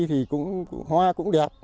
thì hoa cũng đẹp